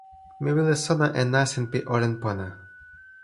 mi wile sona e nasin pi olin pona.